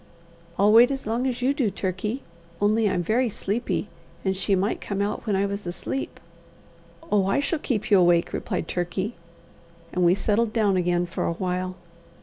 "I'll wait as long as you do, Turkey; only I'm very sleepy, and she might come out when I was asleep." "Oh, I shall keep you awake!" replied Turkey; and we settled down again for a while.